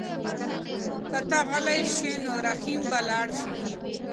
که ته غلی شې نو رحیم به لاړ شي.